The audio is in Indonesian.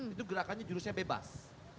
itu gerakannya jurusnya bebas